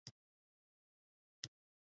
• ته د زړه له تله راوتلې خوږه موسیقي یې.